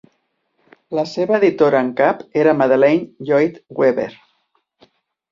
La seva editora en cap era Madeleine Lloyd-Webber.